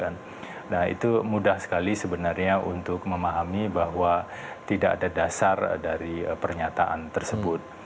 nah itu mudah sekali sebenarnya untuk memahami bahwa tidak ada dasar dari pernyataan tersebut